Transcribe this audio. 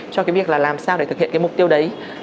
cho cái việc là làm sao để thực hiện cái mục tiêu đấy